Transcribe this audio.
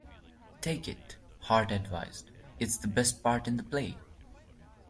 "Take it", Hart advised-"It's the best part in the play!